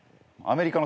アメリカ！？